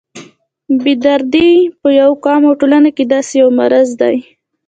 بې دردي په یو قوم او ټولنه کې داسې یو مرض دی.